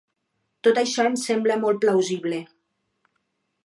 Tot això em sembla molt plausible.